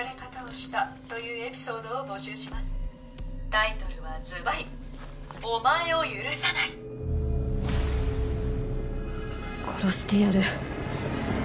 「タイトルはずばり“お前を許さない”」殺してやる。